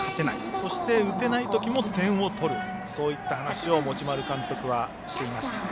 そして、打てないときも点を取るそういった話を持丸監督はしていました。